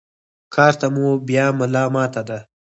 کار ته مو بيا ملا ماته ده.